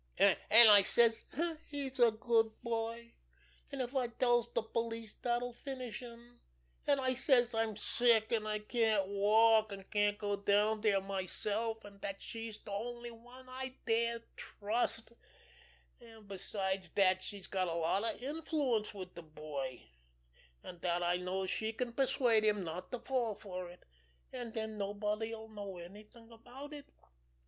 "An' I says he's a good boy, an' if I tells de police dat'll finish him; an' I says I'm sick an' can't walk, an' can't go down dere myself, an' dat she's de only one I dares trust, an' besides dat she's got a lot of influence wid de boy, an' dat I knows she can persuade him not to fall fer it, an' den nobody'll know anything about it.